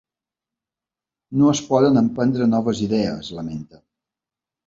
No es poden emprendre noves idees, lamenta.